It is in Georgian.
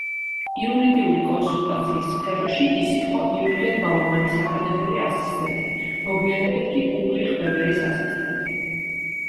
იურიდიული კონსულტაციის სფეროში ის იყო იურგენ ბაუმანის აკადემიური ასისტენტი, მოგვიანებით კი ულრიხ ვებერის ასისტენტი.